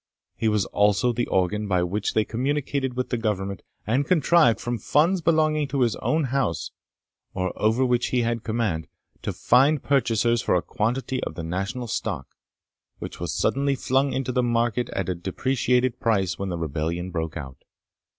He was also the organ by which they communicated with Government, and contrived, from funds belonging to his own house, or over which he had command, to find purchasers for a quantity of the national stock, which was suddenly flung into the market at a depreciated price when the rebellion broke out.